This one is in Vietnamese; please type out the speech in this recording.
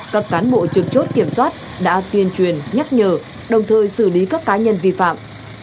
các cán bộ trực chốt kiểm soát đã tuyên truyền nhắc nhở đồng thời xử lý các cá nhân vi phạm